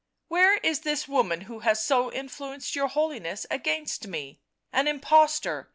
" Where is this woman who has so influenced your Holiness against me 1 An impostor